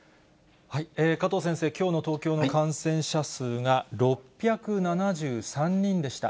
加藤先生、きょうの東京の感染者数が６７３人でした。